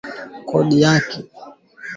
Rais mteule wa Somalia anakaribisha taarifa